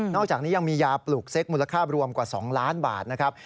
อกจากนี้ยังมียาปลูกเซ็กมูลค่ารวมกว่า๒ล้านบาทนะครับ